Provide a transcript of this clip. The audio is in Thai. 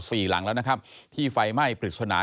หลังแล้วนะครับที่ไฟไหม้ปริศนา